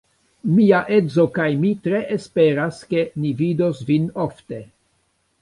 Mia edzo kaj mi tre esperas, ke ni vidos vin ofte.